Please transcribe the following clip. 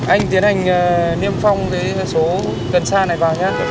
anh tiến hành niêm phong số cần xa này vào nhé